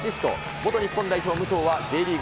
元日本代表、武藤はＪリーグ